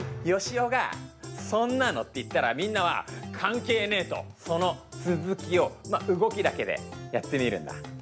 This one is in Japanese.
よしおが「そんなの」って言ったらみんなは「関係ねえ」とその続きを動きだけでやってみるんだ。